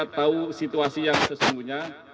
tahu situasi yang sesungguhnya